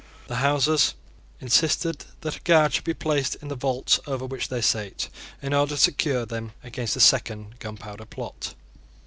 The Houses insisted that a guard should be placed in the vaults over which they sate, in order to secure them against a second Gunpowder Plot.